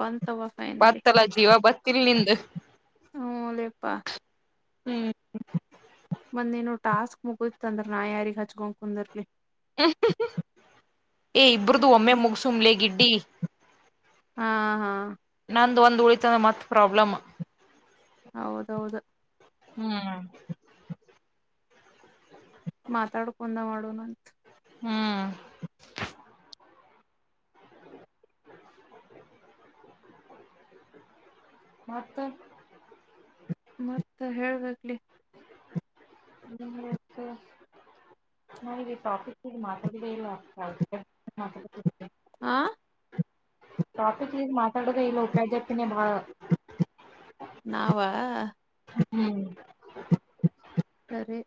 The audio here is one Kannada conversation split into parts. ಬಂತವ ಫೈನಲಿ ಪತಲ ಜೀವ ಬತ್ತ ನಿಂದ ಪ್ಪಾ ಹ್ಮ್ ಮಂದ ನೋ ಟಾಸ್ಕ್ ಮುಗುತ್ ಅಂದ್ರ ನಾ ಯಾರಿಗ್ ಹಚ್ಕೊಂಡ ಕುಂದಿರ್ಲಿ ಏ ಇಬ್ರದು ಅದಕ್ಕ ಒಮ್ಮೆ ಮುಗಸುಮ್ಲೆ ಗಿಡ್ಡಿ ಹಾ ಹಾ ನಂದು ಒಂದ್ ಉಳಿತಂದ ಮತ್ ಪ್ರಾಬ್ಲಮ್ ಹೌದೌದು ಹ್ಮ್ ಮಾತಾಡ್ಕೊಂಡ ಮಾಡೋನಂತ ಹ್ಮ್ ಹತ್ತ ಮತ್ತ ಹೇಳ್ಬೇಕಗ್ಲಿ ಹ್ಮ ಮತ್ತೆ ನಾಫ ಮಾತಾಡ ಇಲ್ಲ ಆ ಟಾಪಿಕ್ ಮಾತಾಡದ ಇಲ್ಲ ಉಪಾಧ್ಯತಿನೇ ಬಾಳ ನಾವ ಹ್ಮ್ ಸರಿ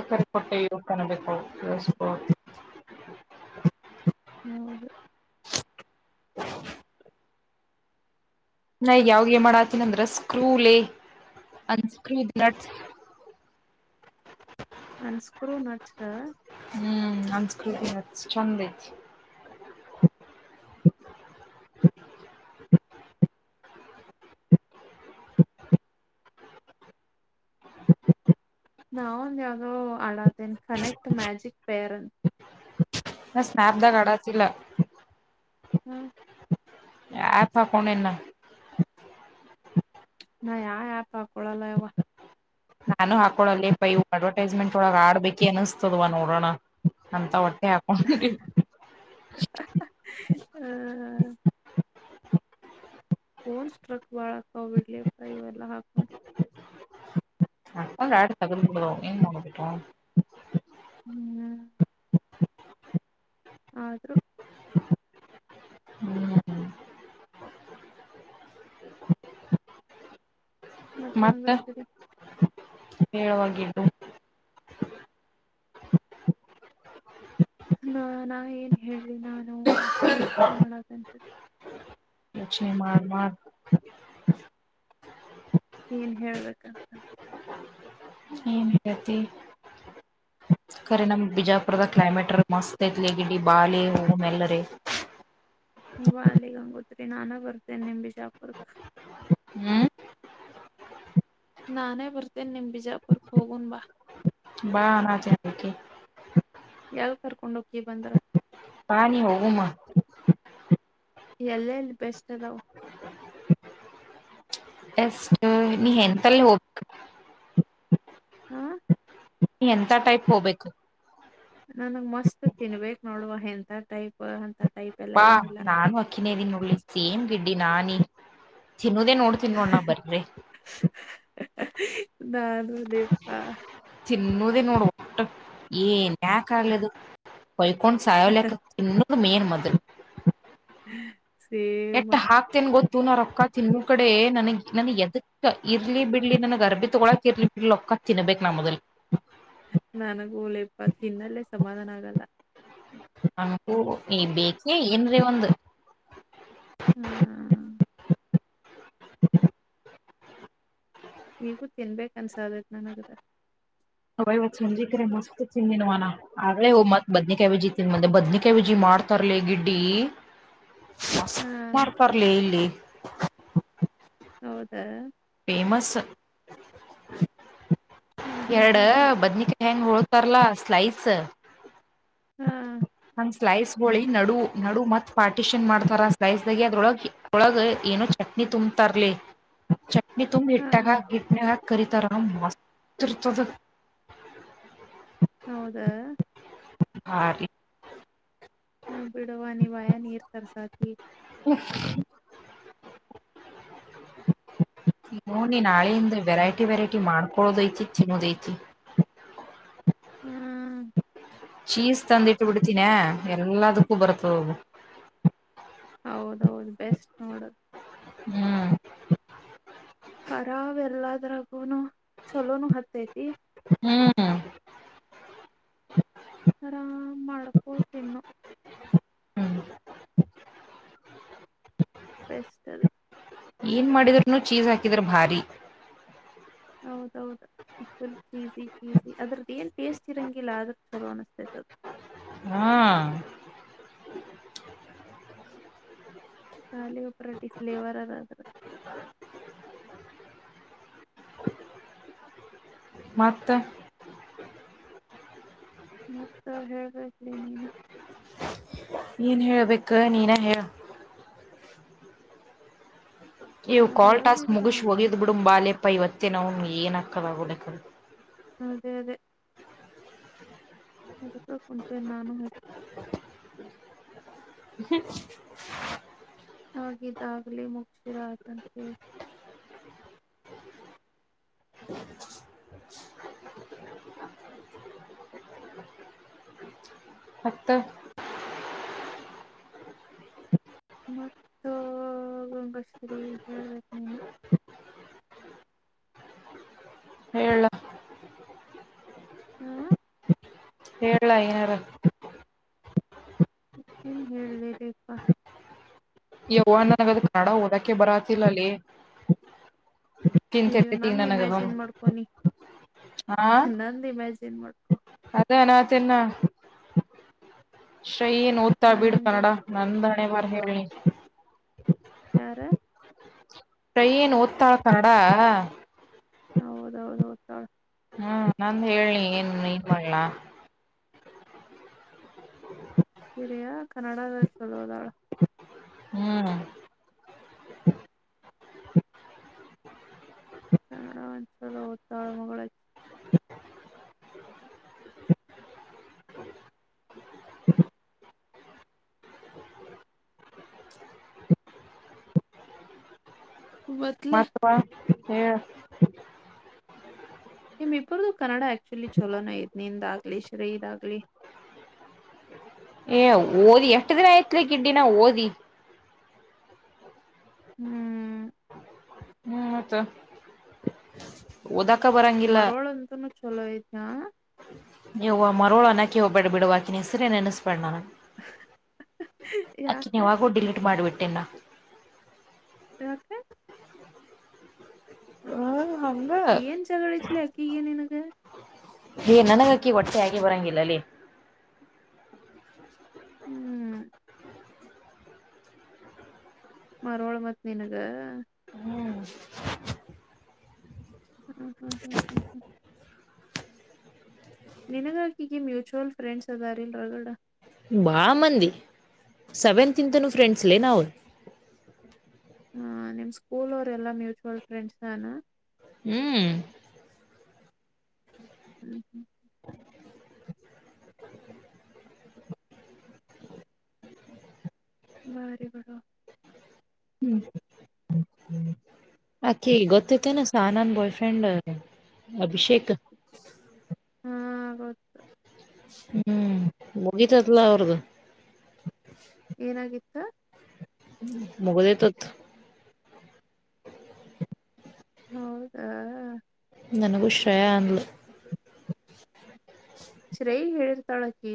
ಅ ಕರೆ ಕೊಟ್ಟೆಯೂ ಕಾಣಬೇಕಸ್ ಹೌದು ನ ಯಾವ ಮಾಡಾತೀನ ಅಂದ್ರ ಸ್ಕೂಲ ಅನ್ಸ್ಕ್ರೀತ್ ಲಟ್ಸ್ ಅನ್ಸ್ಕ್ರೂ ನಚ ಹ್ಮ್ ಅನ್ಸ್ಕ ಚಂದಐ [inaudible] [inaudible] ನಾಾವ ಒಂದು ಯಾವವುದೋ ಅಳಾದೇನೆ ಕನೆಕ್ಟ್ ಮಜಿಕ್ ಪೇರ್ನ್ ಮಾಪ್ ದಾಗ ಆದತಿಲ ಹ್ಮ್ ಆಪ ಹಾಕೊಂಡಿನಿ ನಾ ನಾ ಯಾವ ಆ್ಯಪ್ ಹಾಕೊಳಲ್ಲ ಯವ ನಾನು ಹಾಕೊಳಲ್ಲ ಪೈ ಅಡ್ವರ್ಟೈಸ್ಮೆಂಟ್ ಒಳಗ ಆಡ್ಬೇಕಿ ಅನಿಸಸ್ತದವ ನೋಡೋಣ ಅಂತ ಒಟ್ಟೆ ಯಪ ಫೋನ್ ಸ್ಟ್ರಕ್ ಬಾಳಕ ಬಿಡ್ಲಿ ಇವೆಲ್ಲ ಹಾಕೊಂಡರು ಅಪ್ಪ ಗ ಆಡು ತಗಡ ಏನ್ ಮಾಡಟ ಹ್ಮ್ [inaudible] ಆದರು ಹ್ಮ್ ಮತ್ತ ಮತ್ತದಂಗ ಸರಿ ಹೇಳುವಾಗಿದ್ದು ನ ನಾ ಏನ್ ಹೇಳಿ ನಾನು ಯೋಚನೆ ಮಾಡಕಂತ್ದು ಅಕ್ಷೆ ಮನ್ಮಾರ್ ಏನ್ ಹೇಳ್ಬೇಕಂತ ಏನ್ ಹೇಳೇತಿ [inaudible] ರಿ ನಮ್ ಬಿಜಾಪುರದ ಕ್ಲೈಮೇಟ್ ಮಸ್ತ್ ಐತ್ಲಿ ಗಿಡಿ ಬಾಲಿ ಹೂಮ ಎಲ್ಲರಿ ಬಾಲಿ ಗಂಗೋತ್ರಿ ನಾನ ಬರ್ತೇನೆ ನಿಮ್ ಬಿಜಾಪುರ ಕಾ ಹ್ಮ್ ನಾನೇ ಬರ್ತೇನೆ ನಿಮ್ ಬಿಜಾಪುರ್ ಕ ಹೋಗುನ್ ಬಾ ಬಾ ಆಚಕ್ಕೆ ಯಲ್ ಕರ್ಕೊಂಡೋಗಕಿ ಬಂದ್ರ ಬ ನೀ ಹೋಗಮ್ಮ ಎಲ್ಲಲ್ಲಿ ಬೆಸ್ಟ್ ಅದಾವ ಎಷ್ಟ ನೀ ಎಂತಲ್ಲಿ ಹೋಗ್ಬೇಕ ಹಾ ಎಂತ ಟೈಪ್ ಹೋಗ್ಬೇಕು ನನಗೆ ಮಸ್ತ್ ತಿನ್ಬೇಕು ನೋಡುವ ಎಂತ ಟೈಪ್ ಅಂತ ಟೈಪ್ ಎಲ್ಲ ಬಾ ಏನಿಲ್ಲ ನಾನು ಅಕ್ಕಿನೇದನ್ ನೋಡ್ಳ್ಳಿ ಸೇಮ್ ಗಿಡ್ಡಿ ನಾನಿ ತಿನ್ನೋದೇ ನೋಡ್ತನ್ ನೋಣ್ಣ ಬರ್ರಿ ನಾನುನಪ್ಪಾ ತಿನ್ನುವುದೇ ನೋಡಿ ಒಟ್ಟ ಏನ್ಯ ಕಾಗಲದು ಕೈಕೋೊಂಡ ಸಾಯಾವಲ ತಿನ್ನ ಮೇನ್ ಮದ ಹ್ಮ್ ಎಟ್ಟ ಹಾಕ್ತೇನ್ ಗೊತ್ತ ಇದು ನ ರೊಕ್ಕ ತಿನ್ನ ಕಡೆ ನನ ನನ್ ಎದಕ್ ಇರ್ಲಿ ಬಿಡ್ಲಿ ನನ್ ಅರ್ಬಿ ತೊಗೊಕ್ ಇರ್ಲಿ ಬಿಡ್ಲಕ್ಕ ಹತಿನ ಬೇಕ್ ನ ಮೊದಲ್ ನನಗೂ ಲ ಇಪ್ಪತ್ ಹಿಂದಲ್ಲೇ ಸಮಾಧಾನ ಆಗಲ್ಲ ನಂಗೂ ಈ ಬೇಕೆ ಏನ್ರೀ ಒಂದು ಹ್ಮ್ ಈಗೂ ತಿನ್ಬೇಕ ಅನ್ಸಾದದ ನನಗದ ಯವ್ವ ಇವತ್ತು ಸಂಜಿಕರ ಮಸ್ತ್ ತಿಂದಾನಿವಾ ನಾ ಆಗಲೇ ಮತ್ತು ಬದನೆಕಾಯಿ ಬಜ್ಜಿ ತಿಂದ ಬಂದೆ ಮಾಡ್ತರ್ಲಿ ಗಿಡ್ಡಿ ಹಾ ಮಾಡ್ತರ್ಲಿ ಇಲ್ಲಿ ಹೌದಾ ೇಮಸ್ ಹ್ಮ್ ಹ್ಮ್ ಎರಡ ಹ್ಮ್ ಹ್ಮ್ ಬದನಕಾಯಿ ಹೆಂಗ ಹಳ ಬರ್ಲ ಸ್ಲೈಸ್ ಹಾ ಹಂಗ್ ಸ್ಲೈಸ್ ಹೋಳಿ ನಡು ನಡು ಮತ್ ಪಾರ್ಟಿಷನ್ ಮಾಡ್ತಾರ ಸ್ಲೈಸ್ ದಾಗ ಅದೊಳಗ ಒಗ ಏನೋ ಚಟ್ನಿ ತುಂಬ್ ತರ್ಲಿ ಚಟ್ನಿ ತುಂಬ ಹಾ ಇಟ್ಟಾಗಿಟ್ಟ ಕರಿತರಹಂ ಮಸ್ತೃತದ ಹೌದಾ ಹಾ ರೀ ನ ಬಿೀಡವ ನಿ ವಯ ನೀರ್ ತರಸಾತಿ ನೋನಿ ನಾಳೆಯಿಂದ ವೆರೈಟಿ ವೆರೈಟಿ ಮಾಡ್ಕೊಳೋದೈತಿ ತಿನ್ನೋದೈತಿ ಹ್ಮ್ ಚೀಸ್ ತಂದಿಟ್ಟು ಬಿಡ್ತೀಿನ ಎಲ್ಲದಕ್ಕೂ ಬರತು ಹೌದೌದು ಬೆಸ್ಟ್ ನೋಡದು ಹ್ಮ್ ಹರಾವ್ ಎಲ್ಲದ್ರಾಗುನು ಚಲೋನು ಹತ್ತೈತಿ ಹ್ಮ್ ಆರಾಮ್ ಮಾಡ್ಕೋ ತಿನ್ನು ಹ್ಮ ಬೆಸ್ಟ್ ಅದ ಏನ್ ಮಾಡಿದ್ರೂನು ಚೀಸ್ ಹಾಕಿದ್ರ ಭಾರಿೀ ಹೌದೌದು ಫುಲ್ ಚೀಸಿ ಚೀಸಿ ಅದ್ರದ್ದ ಏನ್ ಟೇಸ್ಟ್ ಇರಂಗಿಲ್ಲ ಆದ್ರ ಚಲೋ ಅನಿಸ್ತೈತದದು ಹ್ಮ ಕಖಾಲಿ ಒಬ್ ಪರಟಿ ಫ್ಲೇವರ್ ಅರಾದ್ರ ಮತ್ತ ಮತ್ತ ಹೇಳಬೇಕಲಿ ನೀನು ಏನು ಹೇಳಬೇಕು ನೀನ ಹೇಳ ಇವು ನಾ ಕಾಲ್ ಟಾಸ್ಕ್ ಹೇಳೋದಿದ್ರ ಮುಗಸ ಹೋಗಿದ್ ಬಿಡ ಬಾಾಲೆಪ್ಪ ಇವತ್ತೇ ನಾವ ಏನ್ ಹಾಕದ ಅದೇ ಅದೇ ಅದಕ್ಕೆ ಕೊಂಚ ನಾನು ಹಚ್ಚ ಆಗಿದ್ದಾಗಲಿ ಮುಗಕ್ಷಿರ ಅತಕೇಳ ಮತ್ತ ಮ ಗಂಗಶ್ರೀ ಹೇಳಬೇಕ ನೀೇನ ಹೇಳ ಹ್ಮ್ ಹೇಳಲಾ ಐನಾರ ಏನ್ ಹೇಳ್ಳಿರೀಪಾ. ಯವ್ವಾನನಗದ್ ಕನ್ನಡಾ ಓದಾಕೆ ಬರಾತಿಲ್ಲಾ ಲೆ. ಅಯ್ಯೋ ನಂದ್ ಇಮ್ಯಾಜಿನ್ ಮಾಡ್ಕೊ ನೀ ಆ ನಂದ್ ಇಮ್ಯಾಜಿನ್ ಮಾಡ್ಕೊ. ಅದ ಅನಾತ್ತೇನಾ. ಚೈಯಿ ಏನ್ ಓದ್ತಾಳ ನಾ ಬಿಡ ಹೆಂಗೆ ಕನ್ನಡ ಓದ್ ನಂದಣೆ ಬರಾ ಹೇಳ್ನಿ. ಯಾರ. ಚೈಯೀ ಏನ್ ಓದ್ತಾಳ ಕನ್ನಡಾ. ಹೌದೌದ ಓದ್ತಾಳ್. ಹ ನಂದ್ಹೇಳ್ನಿ ಏನ್ ಇದ ಮಾಡ್ಲ್ನಾ. ಸರಿಯಾ ಕನ್ನಡಾದಾಗ ಚೋಲೊಅದಾಳ. ಹ್ಮ. ಕನ್ನಡಾ ಒಂದ್ ಚೊಲೋ ಓದ್ತಾಳ ಮಗಳ ಅಕಿ. ಮತ್ಲೆ ಮತ್ವಾ ಹೇಳ. ನಿಮ್ಮಿಬ್ರುದು ಕನ್ನಡ ಆಕ್ಚುಲಿ ಚಲೋನ ಐತಿ ನಿಂದಾಗ್ಲಿ ಶ್ರೇಯೀದಾಗ್ಲಿ. [inaudible] ಏ ಓದಿ ಎಷ್ಟ ದಿನಾ ಆಯ್ತಲೇ ಗಿಡ್ಡಿ ನಾ ಓದಿ. ಹ್ಮ್. ಹ್ಮ್ಮತ್ತ. ಓದಾಕ್. ಮರೋಳಂತನು ಚೋಲೋ ಐತಾ. ಯವ್ವಾ ಮರೋಳನ್ನಾಕೆ ಹೋಬ್ಯಾಡ್ ಬೀಡವ್ವಾ ಅಕಿನ ಹೆಸರೆ ನೆನಸ್. ಬ್ಯಾಡ್ ನನಗ್ ಅಕ್ಕಿನ ಯಾಕ ಯಾವಾಗೋ ಡಿಲೀಟ್ ಮಾಡಿಬಿಟ್ಟೆನಾ. ಯಾಕ. ಹಂಗ ಏನ್ ಜಗಳಿತ್ಲೇ ಅಕ್ಕಿಗ್ಯ ನಿನಗ. ಹೇ ನನಗ ಅಕ್ಕಿಗ ಒಟ್ಟೆ ಆಗೆ ಬರಂಗಿಲ್ಲಲೆ. ಹ್ಮ್ ಮರೊಳ್ ಮತ್ ನಿನಗ. ಹ್ಮ್. ಹ್ಮ್ ಹ್ಮ್ ಹ್ಹ್ ಹ್ಹ್ ಹ್ಹ್. ನಿನಗ ಅಕ್ಕಿಗೆ ಮ್ಯೂಚುವಲ್ ಫಂಡ್ಸ್ ಅದಾರಿಲ್ಲ ರಗಡ ಬಾಳ್ಮಂದಿ ಸೆವೆನ್ತ್ ಇಂತನು ಫ್ರೆಂಡ್ಸ್ ಲೇ ನಾವ್. ಹ ನಿಮ್ ಸ್ಕೂಲ್ ಅವ್ರೆಲ್ಲಾ ಮ್ಯೂಚುವಲ್ ಫ್ರೆಂಡ್ಸಾನಾ. ಹ್ಮ್. ಹ್ಮ್ ಹ್ಮ್. [inaudible] ಮಾರಿ ಬಿಡೋ. [unintelligible] ಆಕೀ ಗೊತೈತ್ತೇನ ಸಾಹಾನಾನ್ ಬಾಯ್ ಫ್ರೆಂಡ್ ಅಭಿಷೇಕ್. ಹಾ ಗೊತ್ ಹ್ಮ್ ಮುಗಿತತ್ಲಾ ಅವ್ರ್ದ. ಏನಾಗಿತ್ತ. ಮುಗದೇತತ್ತ. ಹೌದಾ. ನನಗು ಶ್ರೇಯಾಂದ್ಲ. ಶ್ರೇಯಿಗ ಹೇಳಿರ್ತಾಳಕಿ.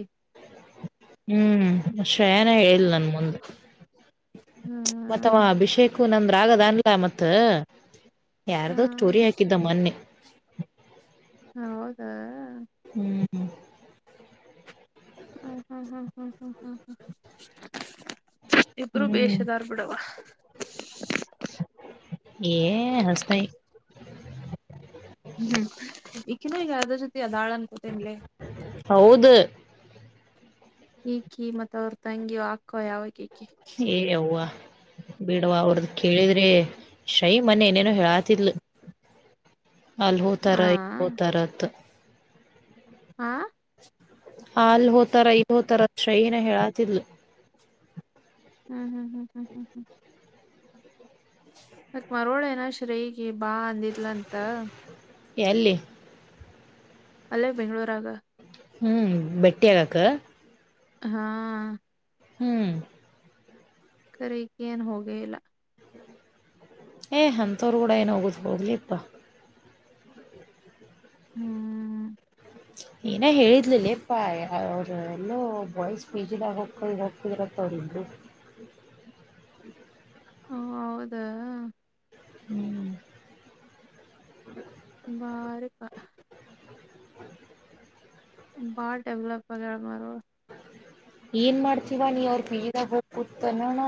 ಹ್ಮ್ ಶ್ರೇಯಾನ ಹೇಳಿಲ್ ನನ್ ಮುಂದ. ಹಾ ಮತ್ತ ಅವ ಅಭಿಷೇಕೂ ನಂದ್ರಾಗ್ ಅದನ್ಲಾ ಮತ್ತ. ಹಾ ಯಾರ್ದೋ ಸ್ಟೋರಿ ಹಾಕಿದ್ದ ಮನ್ನೆ. ಹೌದ. ಹ್ಹ್ ಹ್ಹ್ ಹ್ಹ್ ಹ್ಹ್ ಹ್ಹ್ ಹ್ಹ್ ಹ್ಹ್. ಇಬ್ರೂ ಹ್ಮ್ ಬೇಷದಾರ್ ಬಿಡವಾ. ಏ ಹಸ್ತಯ. ಹ್ಮ್ ಇಕನ ಈಗ ಯಾದ ಸತಿ ಅದಾಳಾನ ಕೊತೀನೆ ಹೌದು ಈಕಿ ಮತ್ತ ಅವ್ರ ತಂಗಿ ಹಾಕೋ ಯಾವಾಗ ಹ್ಮ ಯವ್ವಾ ಬಿಡವಾ ಅವಡ್ದ ಕೇಳಿದ್ರೆ ಶೈ ಮನೆ ಏನೇನೋ ಹೇಳಾತಿದ್ಲು [inaudible] ಅಲ್ ಹೋತಾರ ಹಾ ಇ ಹೋತಾರತ್ ಹಾ ಅಲ್ ಹೋತಾರ ಇ ಹೋತಾರ ಶೈನ ಹೇಳಾತಿಲ್ ಹ್ಮ್ ಹ್ಮ್ ಹ್ಮ್ ಹ್ಮ್ ಹ್ಮ್ ಹ್ಮ್ ಮಕ್ ಮರೋಳನಾ ಶ್ರೇಗೆ ಬಾ ಅಂದಿದಲಂತ ಎಲ್ಲಿ ಅಲ್ಲೇ ಬೆಂಗ್ಳೂರಗ ಹ್ಮ್ ಬೆಟ್ಟಿಗಕ ಹಾ ಹ್ಮ್ ಕರಕ್ಕೆ ಏನ್ ಹೋಗೇ ಇಲ್ಲ ಏ ಅಂತರು ಕೂಡ ಏನ ಹೋಗುದು ಹೋಗ್ಲಿಪ್ಪಾ ಹ್ಮ್ ಏನ ಹೇಳಿದ್ಲಿಲ್ಲಪ್ಪಾ ಅವರು ಎಲ್ಲೋ ಬಾಯ್ಸ್ ಪೇಜಿನಾಗೊಂಡ ಹೋಗ್ತಿದ್ರ ಸರಿದು ಹ ಹೌದಾ ಹ್ಮ್ ಬಾರ ಬಾ ಡೆವ್ಲಪ್ ಆಗ್ಯಾರ ಮಾರು [inaudible] ಏನ್ ಮಾಡ್ತೀವ ನೀ ಅವ್ರ ಬದಾಗ ಹೋಗಿ ಕತ್ನ್ನೋಣ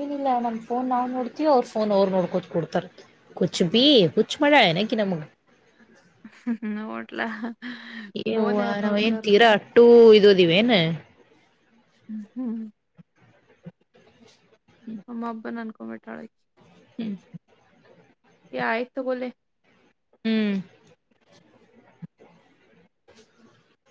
ಏನಿಲ್ಲ ನಮ್ ಫೋನ್ ನಾ ನೋಡ್ತೀವ ಅವ್ರ ಫೋನ್ ನೋರ್ ನೋಡ್ಕೋ ಕುಡ್ತಾರೆ ಕುಚ್ ಬಿ ಕುಚ್ ಮಳೆ ಏನಕ ನಮ್ಗ ಹ್ಮ ನೋಡ್ಲಾ ಏ ಫೋನ್ ಹ್ವ ಯಾರ್ ನಾವ್ ಏನ್ ನೋಡ್ತಾರ ತೀರಾ ಅಟ್ಟೂ ಇದೋದಿವ ಏನ್ ಹ್ಮ ಹ್ಮ್ ಅಮ್ಮ ಅಬ್ಬಾ ನನ್ಕೊಂಬಟಾಳ ಹ ಯ ಆಯತಗಲೆ ಹ್ಮ್